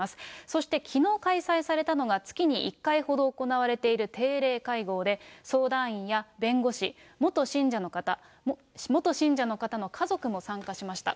そしてきのう開催されたのが、月に１回ほど行われている定例会合で、相談員や弁護士、元信者の方、元信者の方の家族も参加しました。